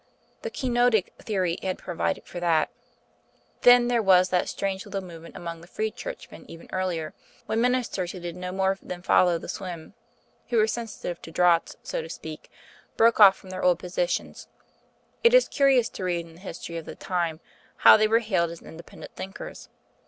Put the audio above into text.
The Kenotic theory had provided for that. Then there was that strange little movement among the Free Churchmen even earlier; when ministers who did no more than follow the swim who were sensitive to draughts, so to speak broke off from their old positions. It is curious to read in the history of the time how they were hailed as independent thinkers.